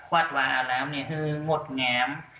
วัดวาหาร้ำที่มดงาม